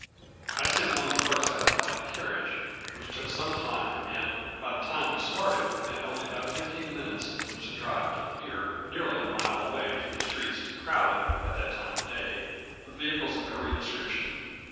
I sent one of the clerks out to find a carriage, which took some time and, by the time we started, we had only about fifteen minutes in which to drive to the pier, nearly a mile away through streets crowded, at that time of day, with vehicles of every description.